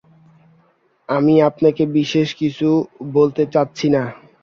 আমি আপনাকে বিশেষ কিছু বলতে চাচ্ছি না।